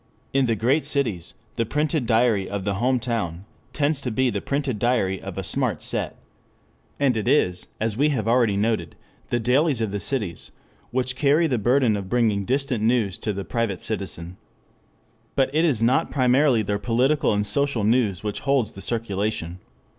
In the great cities "the printed diary of the home town" tends to be the printed diary of a smart set. And it is, as we have already noted, the dailies of the cities which carry the burden of bringing distant news to the private citizen. But it is not primarily their political and social news which holds the circulation.